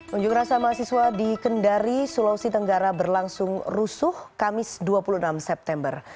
unjuk rasa mahasiswa di kendari sulawesi tenggara berlangsung rusuh kamis dua puluh enam september